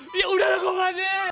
ya udah lah kong aji